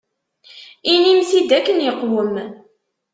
Inim-t-id akken iqwem.